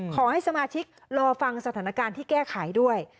ขอให้สมาชิกรอฟังสถานการณ์ที่แก้ไขด้วย